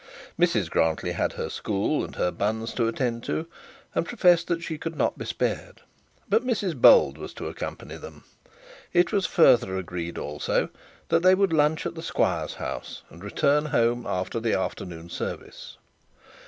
Mrs Grantly had her school and her buns to attend to, and professed that she could not be spared; but Mrs Bold was to accompany them. It was further agreed also, that they would lunch at the squire's house, and return home after the afternoon service.